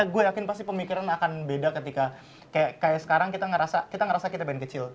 gue yakin pasti pemikiran akan beda ketika kayak sekarang kita ngerasa kita band kecil